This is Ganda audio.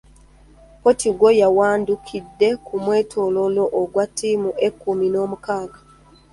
Portugal yawandukidde ku mwetooloolo ogwa ttiimu ekkumi n’omukaaga.